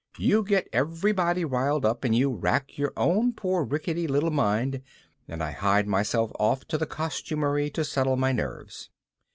You get everybody riled up and you rack your own poor ricketty little mind; and I hied myself off to the costumery to settle my nerves.